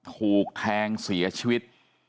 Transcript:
ถูกแทงเสียชีวิต